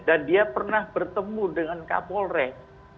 dan dia pernah bertemu dengan kapolres